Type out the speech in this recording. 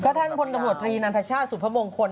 ท่านพลตำรวจตรีนันทชาติสุพมงคล